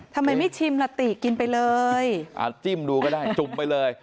ทำไมไม่ชิมล่ะติกินไปเลยอ่ะจิ้มดูก็ได้จุ่มไปเลย